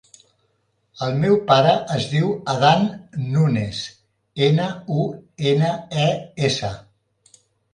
El meu pare es diu Adán Nunes: ena, u, ena, e, essa.